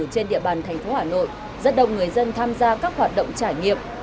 trên địa bàn thành phố hà nội rất đông người dân tham gia các hoạt động trải nghiệm